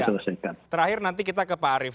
ya terakhir nanti kita ke pak arief